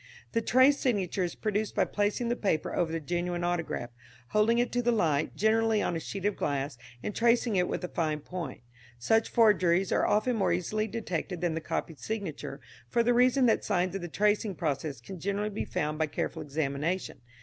The traced signature is produced by placing the paper over the genuine autograph, holding it to the light, generally on a sheet of glass, and tracing it with a fine point. Such forgeries are often more easily detected than the copied signature, for the reason that signs of the tracing process can generally be found by careful examination.